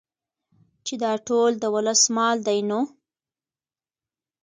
چې دا ټول د ولس مال دى نو